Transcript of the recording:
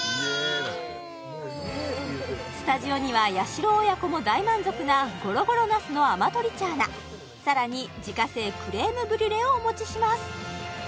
スタジオにはやしろ親子も大満足なごろごろ茄子のアマトリチャーナさらに自家製クレームブリュレをお持ちします